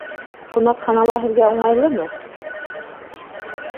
Ҡунаҡханала һеҙгә уңайлымы?